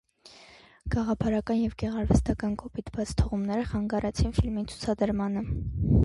Գաղափարական և գեղարվեստական կոպիտ բացթողումները խանգարեցին ֆիլմի ցուցադրմանը։